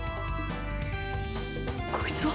こいつは！！